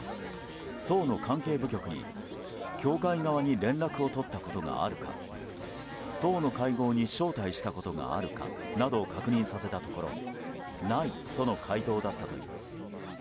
党の関係部局に、教会側に連絡を取ったことがあるか党の会合に招待したことがあるかなどを確認させたところないとの回答だったといいます。